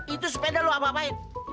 itu sepeda lu apa apain